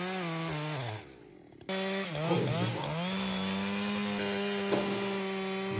これ以上は。